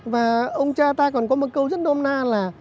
và ông cha ta còn có một câu rất đông na là